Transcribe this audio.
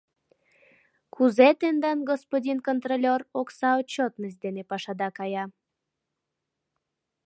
— Кузе тендан, господин контролёр, окса отчётность дене пашада кая?